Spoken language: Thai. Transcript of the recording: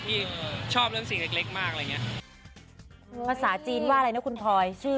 ที่ชอบเรื่องสิ่งเล็กมากอะไรอย่างนี้